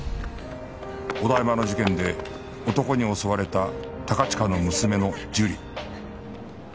お台場の事件で男に襲われた高近の娘の樹里